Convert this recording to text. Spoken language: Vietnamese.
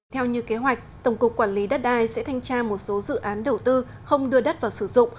theo như kế hoạch tổng cục quản lý đất đai sẽ thanh tra một số dự án đầu tư không đưa đất vào sử dụng